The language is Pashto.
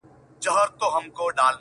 د آدب ټوله بهير را سره خاندي,